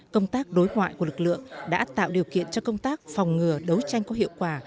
công tác đối ngoại của lực lượng đã tạo điều kiện cho công tác phòng ngừa đấu tranh có hiệu quả